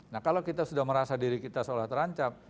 nah kalau kita sudah merasa diri kita seolah terancam